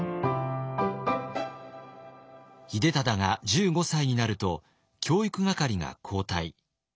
秀忠が１５歳になると教育係が交代。